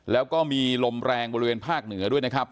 แล้วก็มีลมแรงบริเวณภาคเหนือด้วยนะครับ